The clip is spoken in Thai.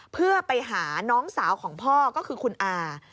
เพื่อไปหาน้องสาวของพ่อก็คือคุณอา